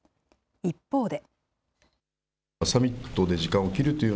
一方で。